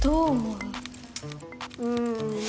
うん！